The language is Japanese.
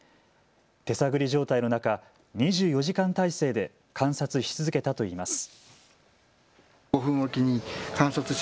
手探り状態の中、２４時間態勢で観察し続けたといいます。